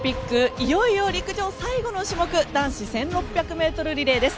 いよいよ陸上最後の種目男子１６００ｍリレーです。